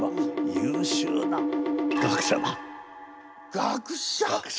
学者！？